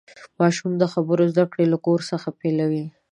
ماشوم د خبرو زدهکړه له کور څخه پیلوي.